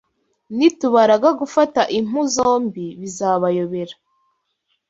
Nitubaraga gufata impu zombi bizabayobera.”